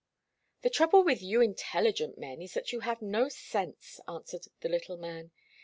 "The trouble with you intelligent men is that you have no sense," answered the little man.